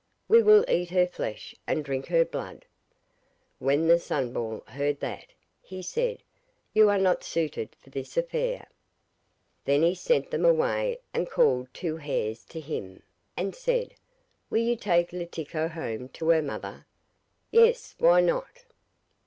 'We will eat her flesh and drink her blood.' When the Sunball heard that, he said: 'You are not suited for this affair.' Then he sent them away, and called two hares to him, and said: 'Will you take Letiko home to her mother?' 'Yes, why not?